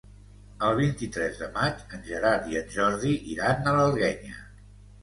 El vint-i-tres de maig en Gerard i en Jordi iran a l'Alguenya.